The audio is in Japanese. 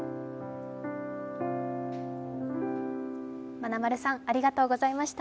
まなまるさんありがとうございました。